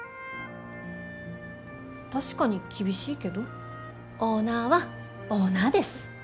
確かに厳しいけどオーナーはオーナーです。